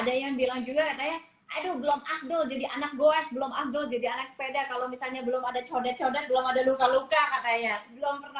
ada yang bilang juga katanya aduh belum afdol jadi anak goes belum afdol jadi anak sepeda kalau misalnya belum ada codet codet belum ada luka luka katanya belum pernah